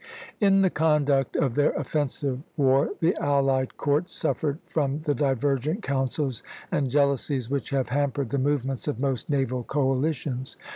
In the conduct of their offensive war the allied courts suffered from the divergent counsels and jealousies which have hampered the movements of most naval coalitions.